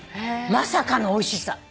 まさかのおいしさ。